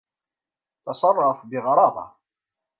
تصرّف بغرابة.